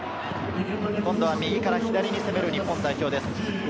今度は右から左に攻める日本代表です。